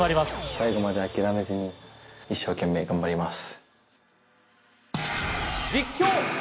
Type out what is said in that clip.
最後まで諦めずに一生懸命頑張ります。